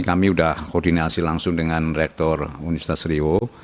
kami sudah koordinasi langsung dengan rektor universitas rio